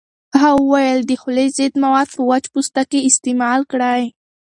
هغه وویل د خولې ضد مواد په وچ پوستکي استعمال کړئ.